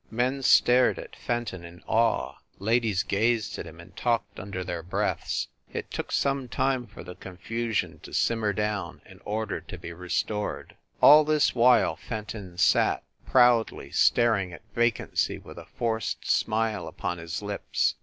Men stared at Fenton in awe. Ladies gazed at him and talked under their breaths. It took some time for the confusion to simmer down and order to be restored. All this while Fenton sat, proudly, staring at vacancy with a forced smile upon his lips.